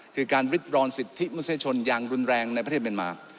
คือการริดรอนสิทธิมนุษยชนอย่างรุนแรงในประเทศเมียนมา